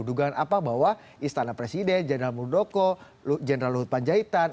dugaan apa bahwa istana presiden jeneral murudoko jeneral luhut panjaitan